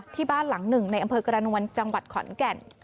ที่บ้านหลังหนึ่งในอำเภอกระนวลจังหวัดขอนแก่น